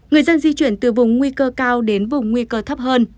người dân di chuyển từ vùng nguy cơ cao đến vùng nguy cơ thấp hơn